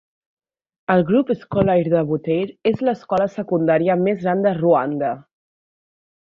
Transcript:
El Groupe Scolaire de Butare és l'escola secundària més gran de Ruanda.